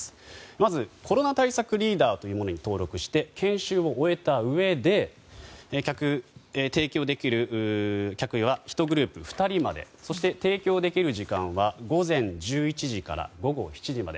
まずコロナ対策リーダーというものに登録して研修を終えたうえで提供できる客は１グループ２人までそして提供できる時間は午前１１時から午後７時まで。